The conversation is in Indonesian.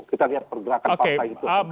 kita lihat pergerakan partai itu